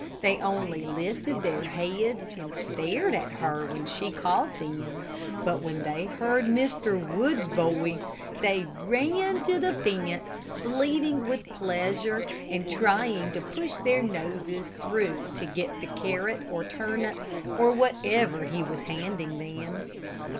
They only lifted their heads and stared at her when she called them. But when they heard Mr. Wood's voice, they ran to the fence, bleating with pleasure, and trying to push their noses through to get the carrot or turnip, or whatever he was handing to them.